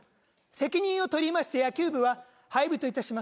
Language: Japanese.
責任を取りまして野球部は廃部といたします